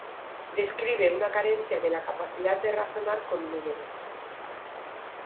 Describe una carencia de la capacidad de razonar con números.